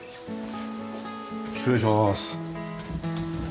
失礼します。